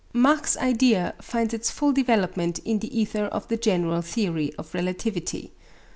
Mach's idea finds its full development in the ether of the general theory of relativity.